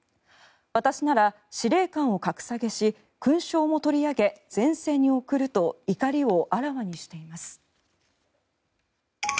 私なら司令官を格下げし勲章も取り上げ前線に送ると怒りをあらわにしています。